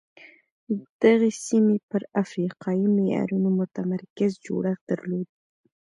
دغې سیمې پر افریقایي معیارونو متمرکز جوړښت درلود.